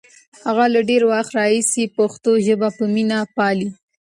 هغه له ډېر وخت راهیسې پښتو ژبه په مینه پالي.